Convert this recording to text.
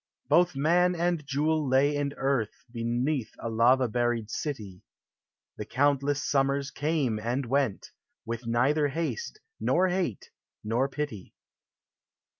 Both man and jewel lay iii earth Beneath a, lava buried city ; The countless summers came and went, With ueither haste, nor hate, uor pity.